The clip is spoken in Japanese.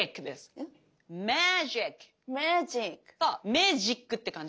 メージックって感じか。